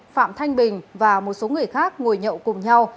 phạm thanh bình và một số người khác ngồi nhậu cùng nhau